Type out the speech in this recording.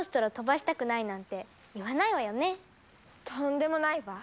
とんでもないわ。